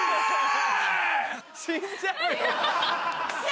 死んじゃうよ。